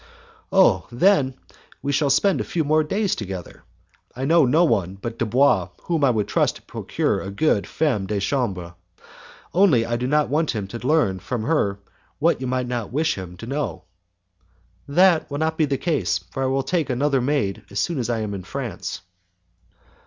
"Oh! then, we shall spend a few days more together! I know no one but Dubois whom I could trust to procure a good femme de chambre; only I do not want him to learn from her what you might not wish him to know." "That will not be the case, for I will take another maid as soon as I am in France."